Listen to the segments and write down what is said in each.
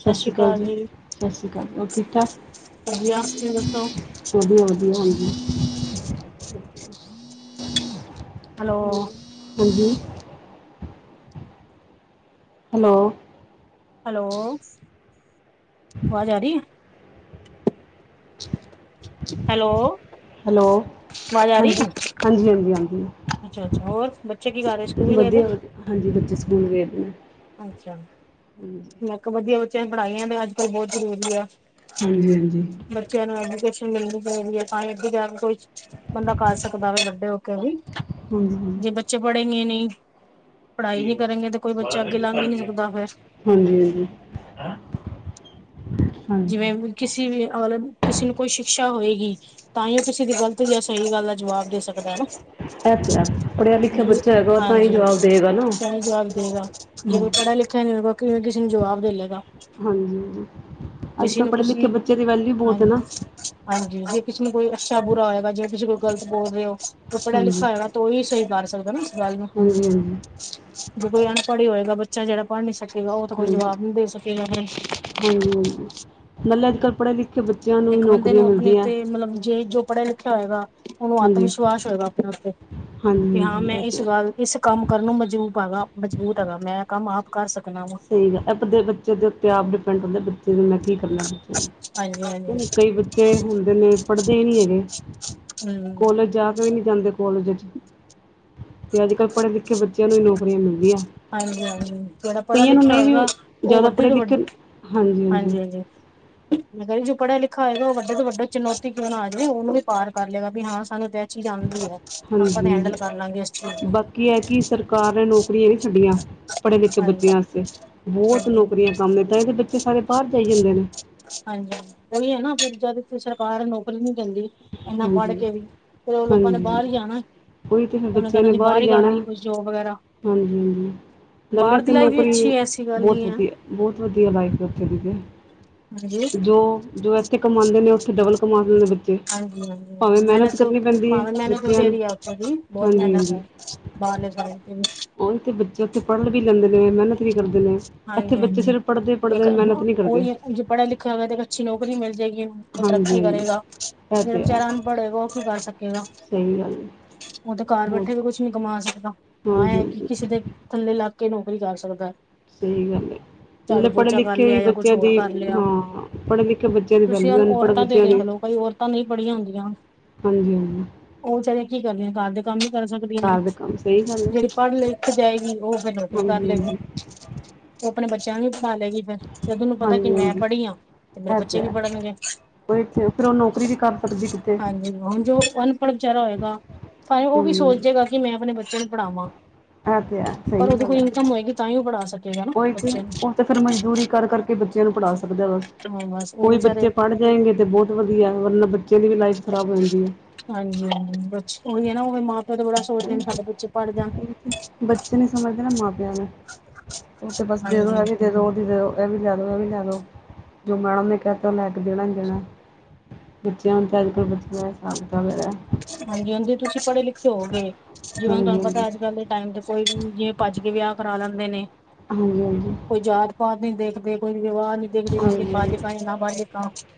ਸਤਿ ਸ਼੍ਰੀ ਅਕਾਲ ਜੀ-ਸਤਿ ਸ਼੍ਰੀ ਅਕਾਲ, ਹੋਰ ਠੀਕ-ਠਾਕ। ਵਧੀਆ ਤੁਸੀਂ ਦੱਸੋ? ਵਧੀਆ-ਵਧੀਆ, ਹਾਂਜੀ। ਹੈਲੋ ਹੂ ਹਾਂਜੀ। ਹੈਲੋ। ਹੈਲੋ, ਆਵਾਜ਼ ਆ ਰਹੀ ਹੈ। ਹੈਲੋ। ਹੈਲੋ, ਆਵਾਜ਼ ਆ ਰਹੀ ਹਾਂਜੀ, ਹੈ ਹਾਂਜੀ, ਹਾਂਜੀ, ਹਾਂਜੀ। ਅੱਛਾ, ਅੱਛਾ, ਹੋਰ ਬੱਚੇ ਕੀ ਕਰ ਰਹੇ ਸਕੂਲ ਗਏ ਥੇ। ਹਾਂਜੀ‌, ਬੱਚੇ ਸਕੂਲ ਗਏ ਦੇ ਨੇ। ਅੱਛਾ ਜੀ, ਮੈ ਕੇਹਾ ਵਧੀਆ ਬੱਚਿਆਂ ਪੜ੍ਹਾਈਆਂ ਦਾ ਅੱਜ-ਕੱਲ ਬਹੁਤ ਜ਼ਰੂਰੀ ਆ। ਹੂੰ-ਹੂੰ, ਬੱਚਿਆਂ ਨਾਲ ਐਜੂਕੇਸ਼ਨ ਦੇਣੀ ਪੈਂਦੀ ਹੈ, ਤਾਂ ਇ ਅਗੇ ਯਾਰ ਕੋਈ। ਬੰਦਾ ਕਰ ਸਕਦਾ ਵੇ ਵੱਡੇ ਹੋ ਕੇ ਵੀ। ਜੇ [unintelligible] ਬੱਚੇ ਪੜੇਗੇ ਨਹੀਂ। ਪੜ੍ਹਾਈ ਨਹੀਂ ਠੀਕ ਕਰਨਗੇ ਤੇ ਕੋਈ ਬੱਚਾ ਅੱਗੇ ਲੰਘ ਹੀ ਨਹੀਂ ਹੈ [unintelligible] ਸਕਦਾ ਫਿਰ ਹਾਂਜੀ, ਹਾਂਜੀ। ਜਿਵੇਂ ਕਿਸੇ ਵੀ, ਕਿਸੇ ਨੂੰ ਕੋਈ ਸ਼ਿਕਸ਼ਾ ਹੋਏਗੀ। ਤਾਂ ਹੀ ਉਹ ਕਿਸੇ ਦੀ ਗ਼ਲਤ ਯਾ ਸਹੀ ਗੱਲ ਦਾ ਜਵਾਬ ਦੇ ਸਕਦਾ ਹੈ ਨਾ। ਇਹ ਤੇ ਹੈ ਪੜ੍ਹਿਆ ਲਿਖਿਆ ਜੀ ਬੱਚਾ ਹੈਗਾ ਤਾਂ ਹੀ ਹਾਂਜੀ, ਜਵਾਬ ਦੇਗਾ ਨਾ ਤੇਰੀ ਗੱਲ ਠੀਕ ਹੈ। ਜੇ ਓਹ ਹਾਂਜੀ ਪੜ੍ਹਿਆ ਲਿਖਿਆ ਨੀ ਹੋਗਾ, ਕਿਵੇਂ ਕਿਸੇ ਨੂੰ ਜਵਾਬ ਦੇ ਜਾਏਗਾ। ਹਾਂਜੀ, ਅੱਜ ਕੱਲ ਪੜ੍ਹੇ ਕੁਛ ਲਿਖੇ ਬੱਚੇ ਦੀ ਵੈਲਿਊ ਹਾਂ ਬਹੁਤ ਹੇਨਾ। ਹਾਂਜੀ, ਜੇ ਕਿਸੇ ਨੂੰ ਕੋਈ ਅੱਛਾ ਬੁਰਾ ਹੋਏਗਾ ਜੇ ਕਿਸੀਂ ਕੋਈ ਗਲਤ ਬੋਲ ਰਹੇ ਹੋ ਕੋਈ ਪੜਾ ਹਾਂਜੀ ਲਿਖਾ ਹੋਏਗਾ। ਉਹੀ ਸਹੀ ਕਰ ਸਕਦਾ ਨਾ ਇਸ ਗੱਲ ਨੂੰ ਹਾਂਜੀ ਹਾਂਜੀ ਜੇ ਕੋਈ ਅਨਪੜ੍ਹ ਹੀ ਹੋਏਗਾ ਬ ਬੱਚਾ ਜਿਹੜਾ ਪੜ੍ਹ ਨੀ ਸਕੇਗਾ ਉਹ ਤਾਂ ਕੋਈ ਹਾਂਜੀ ਜਵਾਬ ਨੀ ਦੇ ਸਕੇਗਾ ਹੁਣੇ। ਹਾਂਜੀ ਹਾਂਜੀ ਨਲਨ ਕੱਪੜੇ ਦੀ ਕੇ ਬੱਚਿਆਂ ਵੀ ਇੱਕ ਬੰਦੇ ਨੌਕਰੀਆਂ ਨੂੰ ਆਪਣੇ ਮਿਲਦੀਆਂ ਉੱਤੇ ਮਤਲਬ ਜੇ ਜੋ ਪੜ੍ਹਿਆ ਲਿਖਿਆ ਹੋਏਗਾ ਉਹਨੂੰ ਆਤਮ ਹਾਂਜੀ ਵਿਸ਼ਵਾਸ ਹੋਏਗਾ ਆਪਣੇ ਉੱਤੇ। ਤੇ ਹਾਂਜੀ ਹਾਂ, ਹਾਂਜੀ ਮੈਂ ਇਹ ਤੇ ਇਸ ਹੈ। ਗੱਲ ਇਸ ਕੰਮ ਕਰਨ ਨੂੰ ਮਜ਼ਬੂਬ ਹੈਗਾ, ਮਜ਼ਬੂਤ ਹੈਗਾ ਮੈਂ ਕੰਮ ਆਪ ਕਰ ਸਕਣਾ ਵਾਂ। ਸਹੀ ਹੈ, ਆਪਦੇ ਬੱਚੇ ਦੇ ਉੱਤੇ ਆਪ ਡਿਪੈਂਡ ਹੁੰਦੇ ਕੀ ਕਰਨਾ ਹਾਂਜੀ ਬੱਚੇ ਹਾਂਜੀ ਨੂੰ ਕਈ ਬੱਚੇ ਹੁੰਦੇ ਨੇ ਪੜ੍ਹਦੇ ਹੀ ਨਹੀਂ ਹੈਗੇ। ਹੂ,,, ਆਪਾਂ ਨੀ ਜਾਂਦੇ ਕੋਲਜ ਚ ਤੇ ਅੱਜ ਕੱਲ ਪੜ੍ਹੇ ਲਿਖੇ ਬੱਚਿਆਂ ਨੂੰ ਹੀ ਨੌਕਰੀਆਂ ਮਿਲਦੀਆਂ। ਹਾਂਜੀ, ਹਾਂਜੀ। ਜਿਹੜਾ ਪੜ੍ਹਿਆ ਕਈਆਂ ਨੂੰ ਲਿਖਿਆ ਨਹੀਂ ਹੋਏਗਾ ਵੀ ਉਹ ਜ਼ਿਆਦਾ ਵੱਡੀੇ ਪੜ੍ਹੇ ਤੋਂ ਵੱਡ ਲਿਖੇ ਹਾਂਜੀ ਹਾਂਜੀ। ਬਈ ਜੋ ਪੜਿਆ ਲਿਖਿਆ ਹੋਏਗਾ ਉਹ ਵੱਡੇ ਤੋਂ ਵੱਡੇ ਚੁਣੌਤੀ ਕਿਉਂ ਨਾ ਆ ਜਾਵੇ ਉਹਨੂੰ ਵੀ ਪਾਰ ਕਰ ਲੇਗਾ ਵੀ ਹਾਂ ਸਾਨੂੰ ਤੇ ਚੀਜ਼ ਆਉਂਦੀ ਹੈ ਆਪਾਂ ਤੇ ਹੈਂਡਲ ਕਰ ਲਾਂਗੇ ਇਸ ਚੀਜ਼ ਨੂੰ। ਕੀ ਹੈ ਕਿ ਸਰਕਾਰ ਨੇ ਨੌਕਰੀਆਂ ਨਹੀਂ ਛੱਡੀਆਂ। ਪੜ੍ਹੇ ਲਿਖੇ ਬੱਚਿਆ ਵਾਸਤੇ ਬਹੁਤ ਹਾਂਜੀ-ਹਾਂਜੀ-ਹਾਂਜੀ ਨੌਕਰੀਆਂ ਕੰਮ ਨੇ ਤਾਂਹੀ ਤੇ ਬੱਚੇ ਸਾਰੇ ਬਾਹਰ ਜਾਈ ਜਾਂਦੇ ਨੇ। ਹਾਂਜੀ ਉਹੀ ਹੈ ਨਾ ਜਦ ਸਰਕਾਰ ਨੌਕਰੀ ਨੀ ਦਿੰਦੀ। ਇੰਨਾ ਪੜ ਹਾਂਜੀ ਕੇ ਵੀ ਫਿਰ ਉਹ ਲੋਕਾਂ ਨੇ ਹਾਂਜੀ ਹਾਂਜੀ ਬਾਹਰ ਹੀ ਜਾਣਾ ਉਹੀ ਤੇ ਫਿਰ ਉਹਨੇ ਬੱਚਿਆਂ ਕਹਿਣਾ ਨੇ ਜੀ ਬਾਹਰ ਹੀ ਕੋਈ ਗੱਲ ਜਾਣਾ ਨਹੀਂ ਜੋਬ ਵਗੈਰਾ। ਲੱਲੇ ਬਾਹਰ ਦੀ ਤੇ ਲਾਈਫ ਵੀ ਨੌਕਰੀ ਅੱਛੀ ਐਸੀ ਗੱਲ ਨੀ ਬਹੁਤ ਹੈ ਵਧੀਆ ਬਹੁਤ ਵਧੀਆ ਲਾਈਫ ਉੱਥੇ ਦੀ ਤੇ। ਹਾਂਜੀ। ਜੋ ਜੋ ਇੱਥੇ ਕਮਾਉਂਦੇ ਨੇ ਉੱਥੇ ਡਬਲ ਕਮਾਉਂਦੇ ਨੇ ਬੱਚੇ। ਹਾਂਜੀ, ਹਾਂਜੀ, ਭਾਵੇਂ ਹਾਂਜੀ, ਮਿਹਨਤ ਕਰਨੀ ਪੈਂਦੀ ਹੈ ਭਾਵੇ ਮਿਹਨਤ ਬੱਚਿਆਂ ਫਿਰ ਨੂੰ ਹੀ ਉਥੇ ਦੀ ਬਹੁਤ ਹਾਂਜੀ ਮਿਹਨਤ ਹੈ। ਬਾਹਰ। [unintelligible] ਹੋਰ ਕੀ ਇਥੇ ਬੱਚੇ ਉੱਥੇ ਪੜ੍ਹ ਵੀ ਲੈਂਦੇ ਨੇ ਮਿਹਨਤ। ਕਰਦੇ ਨੇ, ਇੱਥੇ ਹਾਂਜੀ ਬੱਚੇ ਸਿਰਫ ਪੜ੍ਹਦੇ ਪੜ੍ਹਦੇ ਮਿਹਨਤ ਨੀ ਕਰਦੇ। ਹਾਂਜੀ, ਪੜਾ ਲਿਖ ਤੇ ਅੱਛੀ ਨੌਕਰੀ ਮਿਲ ਜਾਏਗੀ ਉਹਨੂੰ ਹਾਂਜੀ ਤਰੱਕੀ ਹਾਂਜੀ ਕਰੇਗਾ ਇਹ ਜਿਹੜਾ ਤੇ ਹੈ ਵਿਚਾਰਾ ਅਨਪੜ ਹੇਗਾ ਉਹ ਕੀ ਕਰ ਸਕ। ਸਹੀ [unintelligible] ਗੱਲ ਹੈ ਉਹ ਤਾਂ ਘਰ ਬੈਠੇ ਬਹੁਤ ਵੀ ਕੁਛ ਉੱਚ ਕਮਾ ਸਕਦਾ ਹਾਂ ਇਹ ਹਾਂਜੀ ਹੈ ਹਾਂਜੀ ਕਿ ਕਿਸੇ ਦੇ ਥੱਲੇ ਲੱਗ ਕੇ ਨੌਕਰੀ ਕਰ ਸਕਦਾ ਹੈ। ਸਹੀ ਗੱਲ ਏ। ਮਤਲਬ ਪੜ੍ਹੇ ਲਿਖੇ ਲਿਆ ਜਾਂ ਕੁਛ ਬੱਚਿਆਂ ਦੀ ਹੋਰ ਕਰ ਲਿਆ ਹਾਂ ਪੜ੍ਹੇ ਲਿਖੇ ਬੱਚਿਆਂ ਦੀ ਤੁਸੀਂ ਵੈਲਊ ਹੁਣ ਅਨਪੜ੍ਹ ਔਰਤਾਂ ਤੇ ਬੱਚਿਆਂ ਦੇਖ ਦੀ [unintelligible] ਨਹੀਂ ਪੜੀਆਂ ਹੁੰਦੀਆਂ ਹਾਂਜੀ- ਹਾਂਜੀ। ਉਹ ਵਿਚਾਰੇ ਕੀ ਕਰਦੇ ਘਰ ਦੇ ਕੰਮ ਕਰ ਸਕਦੀਆਂ ਨੇ ਘਰ ਦੇ ਕੰਮ ਸਹੀ ਗੱਲ ਹੈ ਜਿਹੜੀ ਪੜ੍ਹ ਲਿਖ ਜਾਏਗੀ ਉਹ ਫੇਰ ਨੋਕਰੀ ਕਰ ਹਾਂਜੀ ਲਏਗੀ। ਹਾਂਜੀ ਉਹ ਆਪਣੇ ਬੱਚਿਆਂ ਨੂੰ ਵੀ ਪੜ੍ਹਾ ਲੇਗੀ। ਫੇ, ਜਦ ਓਹਨੂੰ ਪਤਾ ਕਿ ਹਾਂਜੀ ਮੈਂ ਹਾਂਜੀ ਪੜ੍ਹੀ ਆਾਂ ਤੇ ਮੇਰੇ ਬੱਚੇ ਵੀ ਪੜ੍ਹਨਗੇ। ਬਈ ਇਥੇ ਫਿਰ ਉਹ ਨੌਕਰੀ ਵੀ ਕਰ ਸਕਦੀ ਕਿਤੇ, ਹਾਂਜੀ ਹੁਣ ਜੋ ਅਨਪੜ੍ਹ ਵਿਚਾਰਾ ਹੋਏਗਾ, ਭਾਵੇਂ ਉਹ ਵੀ ਹਾਂਜੀ ਸੋਚੇਗਾ ਕਿ ਮੈਂ ਆਪਣੇ ਬੱਚੇ ਨੂੰ ਪੜਾਵਾਂ। ਹਾਂਜੀ ਇਹ ਤੇ ਹੈ ਪਰ ਉਹਦੋਂ ਕੋਈ ਇਨਕਮ ਹੋਏਗੀ ਤਾਂ ਹੀ ਉਹ ਪੜਾ ਸਕੇ ਉ ਇ ਤੇ ਉਹ ਤੇ ਫੇਰ ਮਜ਼ਦੂਰੀ ਕਰ ਕਰਕੇ ਬੱਚਿਆਂ ਨੂੰ ਪੜ੍ਹਾ ਸਕਦਾ ਬਸ। ਹਾਂ ਬਸ ਉਹ ਉਹੀ ਵਿਚਾਰੇ ਬੱਚੇ ਪੜ੍ਹ ਜਾਏਗੇ ਤੇ ਬਹੁਤ ਵਧੀਆ ਵਰਨਾ ਬੱਚਿਆਂ ਦੀ ਵੀ ਲਾਈਫ ਖ਼ਰਾਬ ਹੋਏਗੀ। ਹਾਂਜੀ ਹਾਂਜੀ ਬਸ ਉਹੀ ਹੈ ਨਾ ਉਵੇਂ ਮਾਂ ਪਿਓ ਤੇ ਬੜਾ ਸੋਚਦੇ ਨੇ ਸਾਡੇ ਬੱਚੇ ਪੜ੍ਹ ਜਾਣ। ਬੱਚੇ ਨੀ ਸਮਝਦੇ ਨਾ ਮਾਂ ਪਿ ਨੂੰ ਉਹ ਤੇ ਬੱਸ ਦੇ ਦੋ ਐ ਹਾਂਜੀ ਵੀ ਦੇ ਦੋ ਉਹ ਵੀ ਦੇ ਦੋ। ਇਹ ਵੀ ਲਯਾਦੋ ਓਹ ਵੀ ਲੈਦੋ, ਜੋ ਮੈ ਉਹਨ ਨੇ ਕਹਿਤਾ ਉਹ ਲੈ ਕੇ ਦੇਣਾ ਹੀ ਦੇਣਾ। ਬੱਚਿਆਂ ਹੁਣ ਤੇ ਅੱਜ ਕੱਲ੍ਹ ਬੱਚਿਆਂ ਦਾ ਹਿਸਾਬ ਕਿਤਾਬ ਹੈਗਾ। ਹਾਂਜੀ ਹਾਂਜੀ ਤੁਸੀਂ ਪੜ੍ਹੇ ਲਿਖੇ ਹੋਵੋਗੇ ਜਿਵੇਂ ਹੁਣ ਹਾਂਜੀ ਤੁਹਾਨੂੰ ਹਾਂਜੀ ਪਤਾ ਅੱਜ ਕੱਲ ਦੇ ਟਾਈਮ ਚ ਕੋਈ ਵੀ ਜਿਵੇਂ ਭੱਜ ਕੇ ਵਿਆਹ ਕਰਾ ਲੈਂਦੇ ਨੇ, ਹਾਂਜੀ- ਹਾਂਜੀ। ਕੋਈ ਜਾਤ ਪਾਤ ਨੀ ਦੇਖਦੇ ਕੋਈ ਰਿਵਾਜ਼ ਨਹੀਂ ਦੇਖਦੇ ਹਾਂਜੀ ਹਾਂਜੀ [unintelligible]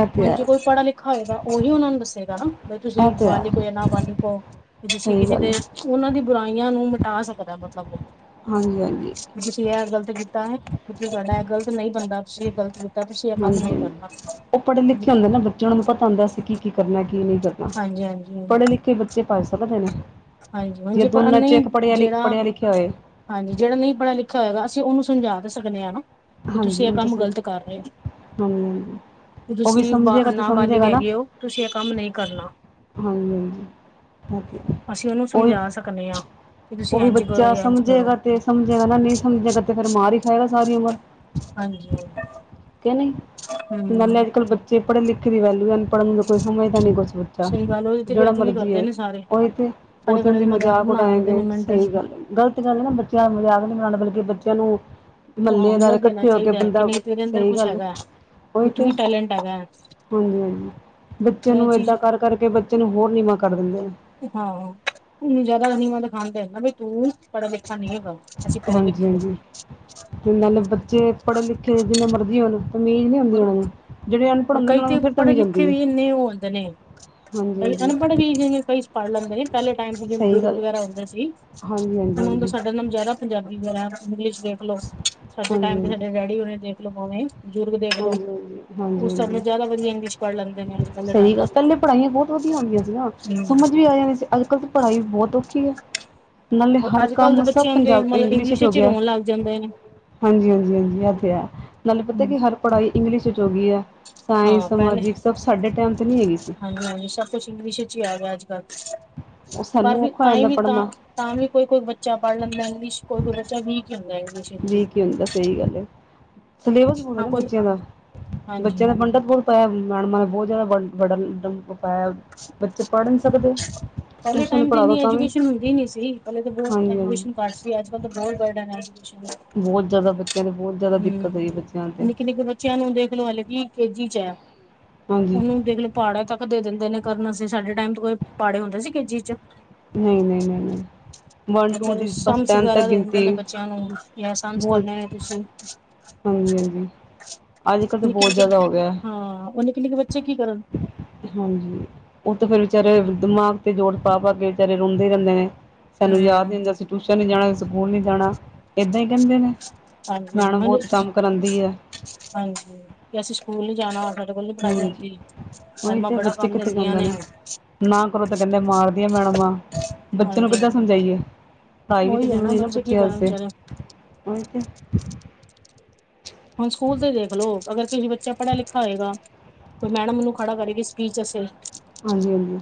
ਇਹ ਤੇ ਹੁਣ ਹੈ ਜੇ ਕੋਈ ਪੜ੍ਹਾ ਲਿਖਾ ਹੋਏਗਾ ਉਹੀ ਉਹਨਾ ਨੂੰ ਦੱਸੇਗਾ ਨਾ। ਬਈ ਤੁਸੀਂ ਇਹ ਤੇ ਹੈ ਬਾਲਿਕ ਹੋ ਯਾ ਨਾ ਬਾਲਿਕ ਹੋ, ਤੁਸੀਂ ਸਹੀ ਕਿਸੇ ਗੱਲ ਦੇ ਹੈ ਉਹਨਾਂ ਦੀ ਬੁਰਾਈਆਂ ਨੂੰ ਮਿਟਾ ਸਕਦਾ ਮਤਲਬ ਕੇ। ਹਾਂਜੀ-ਹਾਂਜੀ। ਤੁਸੀਂ ਇਹ ਗ਼ਲਤ ਕੀਤਾ ਏ, ਜੇ ਤੁਵਾਡਾ ਐਹ ਗਲਤ ਨਹੀਂ ਬਣਦਾ ਤੁਸੀਂ ਇਹ ਗ਼ਲਤ ਤੁਸੀਂ ਇਹ ਕੰਮ ਹਾਂਜੀ ਨਹੀਂ ਕਰਨਾ। ਔਹ ਉਹ ਪੜ੍ਹੇ ਲਿਖੇ ਹੁੰਦੇ ਨਾ ਬੱਚੇ ਜੇ ਓਹਨਾ ਨੂੰ ਪਤਾ ਹੁੰਦਾ ਅਸੀ ਕੀ ਕੀ ਕਰਨਾ ਕੀ ਨਹੀਂ ਕਰਨਾ ਹਾਂਜੀ ਹਾਂਜੀ ਪੜ੍ਹੇ ਲਿਖੇ ਬੱਚੇ ਪਜ ਸਕਦੇ ਨੇ। ਹਾਂਜੀ ਹੁਣ ਜੇ ਦੋਨਾਂ ਚ ਨਹੀਂ ਇੱਕ ਪੜ੍ਹਿਆ, ਜਿਹੜਾ ਪੜ੍ਹਿਆ ਲਿਖਿਆ ਹੋਏ ਹਾਂਜੀ ਜਿਹੜਾ ਨਹੀਂ ਪੜ੍ਹਾ ਲਿਖਿਆ ਹੋਏਗਾ ਅਸੀਂ ਉਹਨੂੰ ਸਮਜਾ ਤਾਂ ਸਕਦੇ ਹਾਂ ਨਾ। ਹਾਂਜੀ ਤੁਸੀਂ ਇਹ ਹੁਣ ਕੰਮ ਗ਼ਲਤ ਕਰ ਰਹੇ ਹੋ। ਹਾਂਜੀ ਹਾਂਜੀ ਬਈ ਉਹ ਵੀ ਤੁਸੀਂ ਬ ਸਮਝੇਗਾ ਤੇ ਨਾਬਾਲਿਗ ਸਮਝੇਗਾ ਹੈਗੇ ਹੋ ਤੁਸੀਂ ਇਹ ਕੰਮ ਨਹੀਂ ਕਰਨਾ। ਹਾਂਜੀ-ਹਾਂਜੀ ਐਹ ਤੇ ਹੈ। ਅਸੀਂ ਉਹਨੂੰ ਸਮਝਾ ਸਕਨੇ ਆ ਕਿ ਤੁਸੀਂ ਉਹੀ ਇੰਝ ਕਰੋ ਬੱਚਾ ਜਾਂ ਇੰਝ ਕਰੋ। ਸਮਝੇਗਾ ਤੇ ਸਮਝੇਗਾ ਨਾ ਨਹੀਂ ਸਮਝਿਆਗਾ ਤੇ ਫੇਰ ਮਾਰ ਹੀ ਖਾਏਗਾ ਸਾਰੀ ਉਮਰ। ਹਾਂਜੀ-ਹਾਂਜੀ। ਕੇ ਨਹੀਂ ਨਾਲੇ ਅੱਜ ਕੱਲ੍ਹ ਬੱਚੇ ਪੜ੍ਹੇ ਲਿਖੇ ਦੀ ਵੈਲੂਯੂ ਪੜ੍ਹਨ ਨੂੰ ਕੋਈ ਸਮਝਦਾ ਨਹੀਂ ਕੁਛ ਬੱਚਾ ਸਹੀ ਗੱਲ ਉਹਦੀ ਤੇ ਜੇੜਾ ਬੇਅਦਬੀ ਵੀ ਮਰਜ਼ੀ ਕਰਦੇ ਹੋਏ ਨੇ ਸਾਰੇ ਉਹੀ ਤੇ। ਖੜੇ ਉੱਥੇ ਉਹਦੀ ਖੜੇ ਮਜ਼ਾਕ ਬਣਾ ਦਿੰਦੇ ਉਡਾਏਗੇ ਨੇ ਮਿੰਟ ਸਹੀ ਚ ਗੱਲ ਹੈ। ਗ਼ਲਤ ਗੱਲ ਹੈ ਨਾ ਬੱਚਿਆਂ ਦਾ ਮਜ਼ਾਕ ਨੀ ਬਣਾਣਾ ਬਲਕਿ ਬੱਚਿਆਂ ਨੂੰ ਹਾਂ ਮਹੱਲੇਦਾਰ ਹੁਨਰ ਦੇਣਾ ਇਕੱਠੇ ਹੋ ਕੇ ਚਾਹੀਦਾ ਹੈ ਕਿ ਬੰਦਾ, ਨਹੀਂ ਤੇਰੇ ਅੰਦਰ ਸਹੀ ਕੁਛ ਗੱਲ ਹੈ। ਹੈਗਾ ਵੀ ਉਹੀ ਤੂੰ ਤੇ। ਵੀ [unintelligible] ਹਾਂਜੀ ਹਾਂਜੀ ਪਰ ਬੱਚੇ ਇਹ ਨੂੰ ਚੀਜ਼ ਏਦਾਂ ਕਰ ਕਰਕੇ ਬੱਚੇ ਨੂੰ ਹੋਰ ਨੀਵਾਂ ਕਰ ਦਿੰਦੇ ਨੇ। ਹਾਂ ਉਹਨੂੰ ਜਿਆਦਾ ਨੀਵਾਂ ਦਿਖਾਦੇ ਨਾ ਬਈ ਤੂੰ ਪੜ੍ਹਿਆ ਲਿਖਿਆ ਨੀ ਹੈਗਾ। ਅਸੀਂ ਖੜੇ ਹਾਂਜੀ ਕਿੱਥੇ ਹਾਂਜੀ ਹੈਗੇ। ਤੇ ਨਾਲੇ ਬੱਚੇ ਪੜ੍ਹੇ ਲਿਖੇ ਜਿੰਨੇ ਮਰਜ਼ੀ ਹੋਣ, ਤਮੀਜ਼ ਨਹੀਂ ਹੁੰਦੀ ਹੋਰ ਉਹਨਾਂ ਨੂੰ ਜਿਹੜੇ ਅਨਪੜ੍ਹ ਹੋਰ ਹੁੰਦੇ ਨੇ ਕਈ ਉਹਨਾਂ ਤੇ ਨੂੰ ਫਿਰ ਪੜ੍ਹੇ ਤਮੀਜ਼ ਲਿਖੇ ਹੁੰਦੀ ਏ। ਵੀ ਇੰਨੇ ਉਹ ਹੁੰਦੇ ਨੇ ਕਈ ਅਨਪੜ੍ਹ ਵੀ ਜਿਵੇਂ ਕਈ, ਪੜ੍ਹ ਲੈਂਦੇ ਸੀ ਪਹਿਲੇ ਟਾਈਮ ਤੇ ਜਿਵੇਂ ਸਹੀ ਬਜ਼ੁਰਗ ਗੱਲ ਵਗੈਰਾ ਹੁੰਦੇ ਸੀ ਹਾਂਜੀ ਹਾਂਜੀ ਹੁਣ- ਹੁਣ ਤਾਂ ਹਾਂਜੀ ਸਾਡੇ ਨਾਲ ਜਿਆਦਾ ਪੰਜਾਬੀ ਵਗੈਰਾ ਇੰਗਲਿਸ਼ ਦੇਖ ਲੋੋ ਸਾਡੇ ਹਾਂਜੀ ਟਾਈਮ ਤੇ ਹਾਂਜੀ ਸਾਡੇ ਡੈਡੀ ਉਰੀ ਦੇਖਲੋ ਭਾਵੇਂ, ਦੇਖ ਲਓ ਹਾਂਜੀ ਹਾਂਜੀ ਹਾਂਜੀ ਉਸ ਸਭ ਨਾਲ ਹਾਂਜੀ ਜ਼ਿਆਦਾ ਵਧੀਆ ਇੰਗਲਿਸ਼ ਪੜ੍ਹ ਲੈਂਦੇ ਨੇ ਅੱਜ ਕੱਲ ਦੇ ਸਈ ਟਾਈਮ ਗੱਲ, ਪਹਿਲੇ ਪੜ੍ਹਾਈਆਂ ਬਹੁਤ ਵਧੀਆ ਹੁੰਦੀਆਂ ਸੀ ਨਾ ਸਮਝ ਚ। ਵੀ ਆ ਜਾਂਣੀ ਸੀ, ਅੱਜ ਕੱਲ੍ਹ ਤਾਂ ਪੜ੍ਹਾਈ ਵੀ ਬੋਤ ਔਖੀ ਏ ਨਾਲੇ ਹਰ ਅੱਜ ਕੱਲ੍ਹ ਕੰਮ ਦੇ ਸਭ ਬੱਚਿਆਂ ਦੇ ਪੰਜਾਬੀ ਮਤਲਬ ਇੰਗਲਿਸ਼ ਚ ਹੋ ਵਿੱਚ ਹੀ ਗਿਆ ਰੋਣ ਲੱਗ ਜਾਂਦੇ ਨੇ ਹਾਂਜੀ ਹਾਂਜੀ ਹਾਂਜੀ ਏ ਤੇ ਹੈ, ਨਾਲੇ ਪਤਾ ਹਮ ਕਿ ਹਰ ਪੜ੍ਹਾਈ ਇੰਗਲਿਸ਼ ਵਿੱਚ ਹੋ ਗਈ ਹੈ ਸਾਇੰਸ ਹਾਂ ਪਹਿਲੇ ਸਮਾਜਿਕ ਸਭ ਸਾਡੇ ਟਾਈਮ ਤੇ ਨਹੀਂ ਹੈਗੀ ਸੀ। ਹਾਂਜੀ ਹਾਂਜੀ ਸਭ ਕੁਛ ਇੰਗਲਿਸ਼ ਇੱਚ ਈ ਆ ਗਿਆ ਅੱਜ ਕੱਲ, ਉਹ ਪਰ ਸਾਨੂੰ ਵੀ ਔਖਾ ਹੋ ਤਾਂ ਜਾਂਦਾ ਵੀ ਤਾਂ ਪੜ੍ਹਨਾ ਤਾਂ ਵੀ ਕੋਈ ਕੋਈ ਬੱਚਾ ਪੜ੍ਹ ਲੈਂਦਾ ਇੰਗਲਿਸ਼, ਕੋਈ ਕੋਈ ਬੱਚਾ ਵੀਕ ਹੁੰਦਾ ਇੰਲਿਸ਼ ਵੀਕ ਈ ਹੁੰਦਾ, ਸਈ ਗੱਲ ਏ, ਸਲੇਬਸ ਬੋਤ ਹਾਂ ਨਾ ਕੋਈ ਬੱਚਿਆਂ ਦਾ, ਬੱਚਿਆਂ ਦਾ ਹਾਂਜੀ ਬਰਡਨ ਬਹੁਤ ਪ ਮੈਡਮਾਂ ਨੇ ਬੋਤ ਜ਼ਾਦਾ ਬਰਡਨ ਪਾਇਆ, ਬੱਚੇ ਪੜ੍ਹ ਨੀ ਸਕਦੇ ਪਹਿਲੇ ਟਿਊਸ਼ਨ ਟਾਈਮ ਤੇ ਪੜ੍ਹਾ ਦੋ ਏਨੀ ਤਾਂ ਵੀ ਐਜੂਕੇਸ਼ਨ ਹੁੰਦੀ ਨੀ ਸੀ, ਪਹਿਲੇ ਤਾਂ ਬਹੁਤ ਹਾਂਜੀ ਹਾਂਜੀ ਐਜੂਕੇਸ਼ਨ ਅਜ ਕੱਲ ਤਾਂ ਬਹੁਤ ਬਰਡਨ ਐ ਬਹੁਤ ਜ਼ਾਦਾ ਬੱਚ ਚਲੋ ਬਹੁਤ ਦਾ ਹੂੰ, ਨਿੱਕੇ ਨਿੱਕੇ ਬੱਚਿਆਂ ਨੂੰ ਦੇਖਲੋ ਹਾਲੇ ਵੀ ਕੇਜੀ ਚ ਏ ਹਾਂਜੀ ਉਨੂੰ ਦੇਖਲੋ ਪਹਾੜੇ ਤੱਕ ਦੇ ਦਿੰਦੇ ਨੇ ਕਰਨ ਵਾਸਤੇ, ਸਾਡੇ ਟਾਈਮ ਤੇ ਕੋਈ ਪਹਾੜੇ ਹੁੰਦੇ ਸੀ ਕੇਜੀ ਚ ਨਈ ਨਈ ਨਈ ਨਈ ਵਨ ਟੂ ਬੱਚਿਆਂ ਨੂੰ ਦੀ, ਬਸ ਸਮਸ ਟੈਨ ਤੱਕ ਵਗੈਰਾ ਦੇ ਦਿੰਦੇ ਨੇ ਗਿਣਤੀ, ਬੱਚਿਆਂ ਨੂੰ ਜਾਂ ਸਮਸ ਬਹੁਤ ਕਰਨੇ ਨੇ ਤੁਸੀਂ ਹਾਂਜੀ, ਹਾਂਜੀ ਅੱਜ ਕੱਲ੍ਹ ਤਾਂ ਬਹੁਤ ਜ਼ਾਦਾ ਹੋ ਗਿਆ ਕਿੰਨੇ ਨਿਕੇ, ਬੱਚੇ ਕੀ ਕਰਨ ਹਾਂਜੀ, ਔ ਤੇ ਫੇਰ ਵਿਚਾਰੇ ਦਿਮਾਗ ਤੇ ਜੋਰ ਪਾ ਪਾ ਕੇ, ਵਿਚਾਰੇ ਰੋਂਦੇ ਰਹਿੰਦੇ ਨੇ ਸਾਨੂੰ ਯਾਦ ਵੀ ਹਮ ਹੁੰਦਾ ਸੀ ਟਿਊਸ਼ਨ ਨੀ ਜਾਣਾ, ਸਕੂਲ ਨੀ ਜਾਣਾ, ਇੱਦਾਂ ਹੀ ਕਹਿੰਦੇ ਨੇ, ਹਾਂਜੀ ਮੈਡਮ ਹੁਣ ਬਹੁਤ ਕੰਮ ਕਰਾਉਂਦੀ ਹੈ ਹਾਂਜੀ, ਅਸੀਂ ਸਕੂਲ ਨੀ ਜਾਣਾ ਔਦਰ ਸਾਡੇ ਕੋਲ ਨੀ ਪੜਾਈ ਹਾਂਜੀ ਹੁੰਦੀ, ਉਹੀ ਮੈਡਮਾਂ ਤੇ ਬੜਾ ਬੱਚੇ ਕੰਮ ਕਿੱਥੇ ਦਿੰਦੀਆਂ ਜਾਂਦੇ ਨੇ ਨਾ ਕਰੋ, ਤੇ ਕਹੰਦੇ ਮਾਰਦਿਆਂ ਮੈਡਮਾ ਬੱਚੇ ਨੂੰ ਕਿੱਦਾਂ ਹਾਂਜੀ ਸਮਝਾਈਏ, ਪੜ੍ਹਾਈ ਵੀ ਤੇ ਉਹੀ ਹੈ ਜ਼ਰੂਰੀ ਨਾ, ਬੱਚੇ ਕੀ ਬੱਚਿਆਂ ਕਰਨ ਵਾਸਤੇ ਵਿਚਾਰੇ ਉਈ ਤੇ ਹੁਣ ਸਕੂਲ ਤੇ ਦੇਖ ਲੋ, ਅਗਰ ਤੁਸੀਂ ਬੱਚਾ ਪੜ੍ਹਾ ਲਿਖਾ ਹੋਏਗਾ ਫੇਰ ਮੈਡਮ ਓਨੂੰ ਖੜਾ ਕਰੇਗੀ, ਸਪੀਚ ਵਾਸਤੇ ਹਾਂਜੀ ਹਾਂਜੀ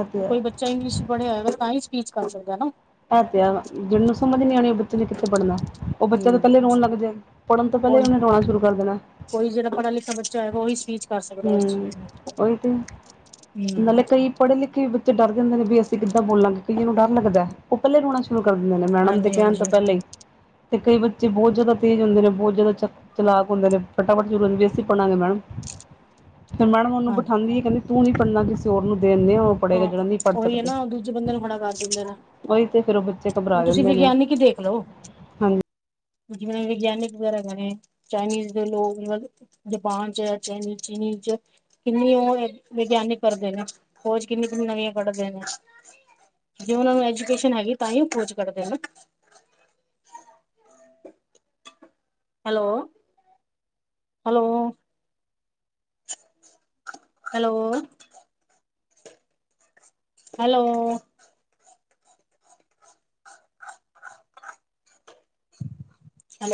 ਇਹ ਕੋਈ ਹੈ ਬੱਚਾ ਇੰਗਲਿਸ਼ ਪੜ੍ਹਿਆ ਹੋਏਗਾ, ਤਾਂ ਹੀ ਸਪੀਚ ਕਰ ਸਕਦਾ ਨਾ ਐ ਤੇ ਹੈ, ਜਿਨੂੰ ਸਮਝ ਨੀ ਆਣੀ, ਔ ਬੱਚੇ ਨੇ ਕਿੱਥੇ ਪੜ੍ਹਨਾ ਉ ਬੱਚਾ ਤੋਂ ਹਮ ਪਹਿਲੇ ਰੋਣ ਲੱਗ ਜਾਏ, ਪੜ੍ਹਨ ਤੋਂ ਪਹਿਲੇ ਔਨੇ ਰੋਣਾ ਸ਼ੁਰੂ ਕਰ ਦੇਣਾ ਅੋਈ ਜੇੜ੍ਹਾ ਪੜੀਆ ਲਿਖਆ ਬੱਚਾ ਹੋਏਗਾ, ਉਹੀ ਸਪੀਚ ਕਰ ਸਕਦਾ ਇਸ ਹੂੰ ਚੀਜ਼ ਨੂੰ ਅੋਈ ਤੇ, ਹਮ ਨਾਲੇ ਕਈ ਪੜੇ ਲਿਖੇ ਤੇ ਡਰ ਜਾਂਦੇ ਨੇ ਵੀ ਅਸੀਂ ਕਿੱਦਾਂ ਬੋਲਾਂਗੇ, ਕਈਆਂ ਨੂੰ ਡਰ ਲੱਗਦਾ ਉ ਪਹਿਲੇ ਰੋਣਾ ਸ਼ੁਰੂ ਕਰ ਦਿੰਦੇ ਨੇ, ਮੈਡਮ ਦੇ ਹਾਂਜੀ ਕਹਿਣ ਹਾਂਜੀ ਤੋਂ ਪਹਿਲਾਂ ਈ ਤੇ ਕਈ ਬੱਚੇ ਬਹੁਤ ਜ਼ਾਦਾ ਤੇਜ਼ ਹੁੰਦੇ ਨੇ, ਬਹੁਤ ਜ਼ਾਦਾ ਚਲਾਕ ਹੁੰਦੇ ਨੇ, ਫਟਾਫਟ ਕਹਿ ਦੇ, ਵੀ ਅਸੀਂ ਪੜਾਂਗੇ ਮੈਡਮ ਫਿਰ ਮੈਡਮ ਉਨੂੰ ਹਾਂ ਬਿਠਾਂਦੀ ਏ, ਕਹੰਦੀ ਤੂੰ ਨੀ ਪੜ੍ਹਨਾ ਕਿਸੇ ਹੋਰ ਨੂੰ ਦਿੰਦੇ ਓ ਪੜੇਗਾ, ਹਾਂ ਜੇੜਾ ਨਈ ਪੜ੍ਹ ਉਹੀ ਹੈ ਸਕਦੇ ਨਾ ਦੂਜੇ ਬੰਦੇ ਨੂੰ ਖੜਾ ਕਰ ਦਿੰਦੇ ਨੇ ਉਈ ਤੇ, ਫੇਰ ਉ ਬੱਚੇ ਕਬਰਾ ਹੁਣ ਤੁਸੀਂ ਜਾਂਦੇ ਨੇ ਵਿਗਿਆਨਿਕ ਹੀ ਦੇਖ ਲਓ ਹਾਂ ਜਿਵੇਂ ਵਿਗਿਆਨਿਕ ਵਗੈਰਾ ਹੈਗੇ, ਚਾਈਨੀਜ਼ ਦੇ ਲੋਕ ਮਤਲ ਜਾਪਾਨ ਚ ਚਾਈਨੀ ਚੀਨੀ ਚ, ਕਿੰਨੀ ਓ ਏ, ਵਿਗਿਆਨਿਕ ਕਰਦੇ ਨੇ ਖੋਜ ਕਿੰਨੀ ਕਿ ਨਵੀਆਂ ਕੱਢਦੇ ਨੇ ਜੇ ਓਨਾ ਨੂੰ ਐਜੂਕੇਸ਼ਨ ਹੈਗੀ, ਤਾਂ ਈ ਉ ਖੋਜ ਕੱਢਦੇ ਨਾ ਹ [inaudible] ਹੈਲੋ ਹੈਲੋ ਹੈਲੋ ਹੈਲੋ [unintelligible]